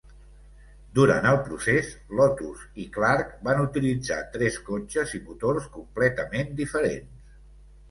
Durant el procés, Lotus i Clark van utilitzar tres cotxes i motors completament diferents.